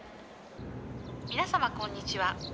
「皆様こんにちは。